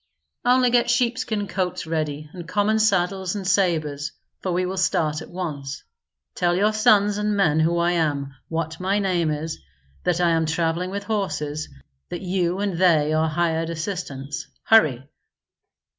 "Only get sheepskin coats ready and common saddles and sabres, for we will start at once. Tell your sons and men who I am, what my name is, that I am travelling with horses, that you and they are hired assistants. Hurry!"